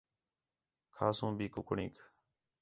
کھاسوں بھی کُکڑینک